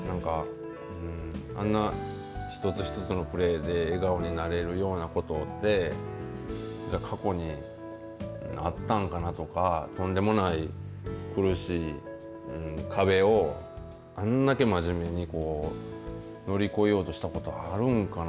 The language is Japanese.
あんな１つ１つのプレーで笑顔になれるようなことで過去にあったんかなとかとんでもない苦しい壁をあんだけ真面目に乗り越えようとしたことあるんかな。